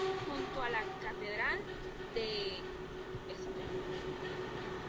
Junto a la catedral de St.